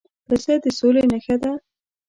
پسه د سولې نښه ده.